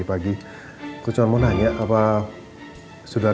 iya aku coba hubungin papa sudah